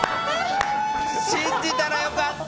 信じたら良かった！